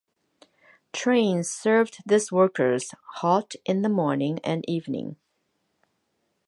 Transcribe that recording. Trains served this workers halt in the morning and evening.